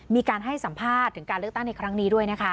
มีการให้สัมภาษณ์ถึงการเลือกตั้งในครั้งนี้ด้วยนะคะ